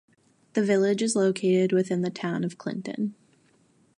The village is located within the town of Clinton.